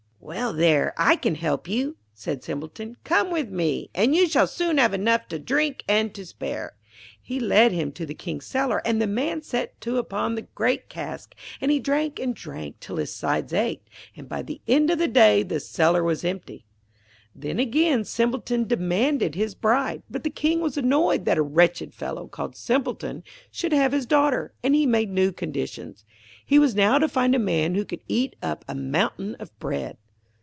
'Well, there I can help you,' said Simpleton. 'Come with me, and you shall soon have enough to drink and to spare.' He led him to the King's cellar, and the Man set to upon the great casks, and he drank and drank till his sides ached, and by the end of the day the cellar was empty. Then again Simpleton demanded his bride. But the King was annoyed that a wretched fellow called 'Simpleton' should have his daughter, and he made new conditions. He was now to find a man who could eat up a mountain of bread.